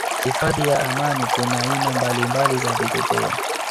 Hifadhi ya Amani kuna aina mbalimbali za vipepeo